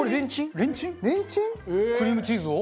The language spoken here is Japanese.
クリームチーズを？